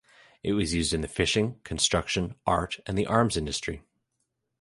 It was used in the fishing, construction, art and the arms industry.